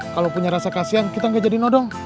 kalau punya rasa kasian kita gak jadi nodong